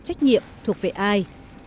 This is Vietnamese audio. trách nhiệm thuộc về ai